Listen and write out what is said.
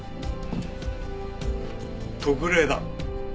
特例だ。